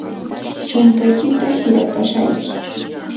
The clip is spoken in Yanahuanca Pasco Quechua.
chumpaykita hirapashayki.